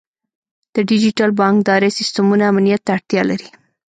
د ډیجیټل بانکدارۍ سیستمونه امنیت ته اړتیا لري.